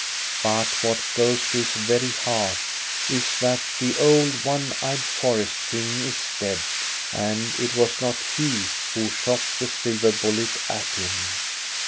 But what goes to his very heart is that the old, one eyed forest king is dead, and it was not he who shot the silver bullet at him.